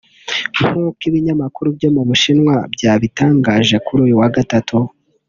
nk’uko ibinyamakuru byo mu Bushinwa byabitangaje kuri uyu wa Gatatu